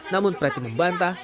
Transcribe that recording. namun preti membantah